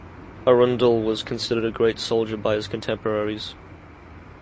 Arundel was considered a great soldier by his contemporaries.